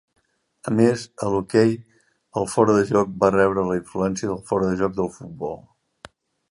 A més, a l'hoquei, el fora de joc va rebre la influència del fora de joc del futbol.